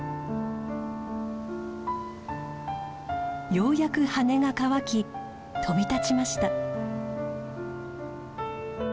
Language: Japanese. ようやく羽が乾き飛び立ちました。